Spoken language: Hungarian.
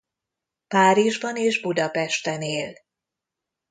Párizsban és Budapesten él.